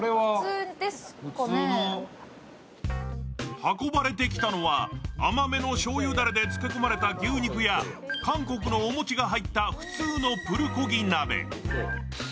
運ばれてきたのは、甘めのしょうゆだれで漬け込まれた牛肉や韓国のお餅が入った普通のプルコギ鍋。